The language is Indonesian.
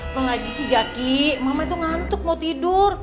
apa ngaji sih jaki mama itu ngantuk mau tidur